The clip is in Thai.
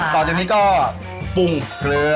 ต่อจากนี้ก็ปรุงเครือ